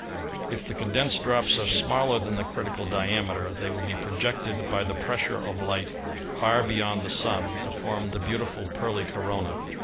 If the condensed drops are smaller than the critical diame ter they will be projected by the pressure of light far beyond the Sun, to form the beautiful pearly corona.